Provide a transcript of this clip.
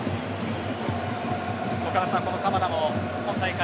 岡田さん、鎌田も今大会